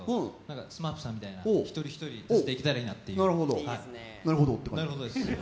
ＳＭＡＰさんみたいに一人一人していけたらいいなと思ってます。